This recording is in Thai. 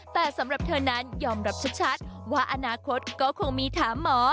แต่สำหรับเธอนั้นยอมรับชัดว่าอนาคตก็คงมีถามหมอ